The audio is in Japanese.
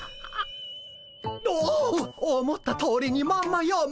おお思ったとおりにまんまよむ。